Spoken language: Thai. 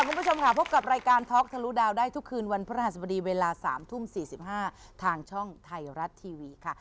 คุณผู้ชมค่ะพบกับรายการท็อกทะลุดาวได้ทุกคืนวันพระหัสบดีเวลา๓ทุ่ม๔๕ทางช่องไทยรัฐทีวีค่ะ